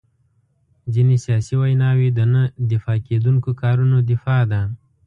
ځینې سیاسي ویناوي د نه دفاع کېدونکو کارونو دفاع ده.